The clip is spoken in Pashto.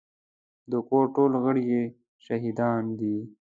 د کور ټول غړي يې شاهدان دي.